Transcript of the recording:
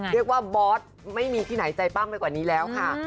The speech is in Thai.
บอสไม่มีที่ไหนใจปั้มไปกว่านี้แล้วค่ะ